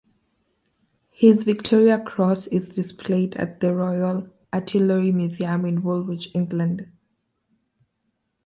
His Victoria Cross is displayed at the Royal Artillery Museum in Woolwich, England.